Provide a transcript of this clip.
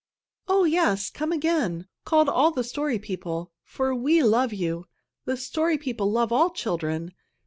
"Oh, yes, come again!" called all the Story People. "For we love you! The Story People love all children.